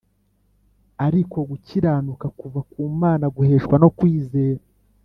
ari ko gukiranuka kuva ku Mana guheshwa no kwizera